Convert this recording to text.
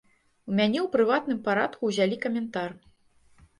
У мяне ў прыватным парадку ўзялі каментар.